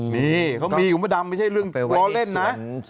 นี่เขามีคุณพระดำไม่ใช่เรื่องล้อเล่นนะ